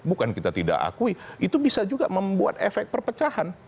bukan kita tidak akui itu bisa juga membuat efek perpecahan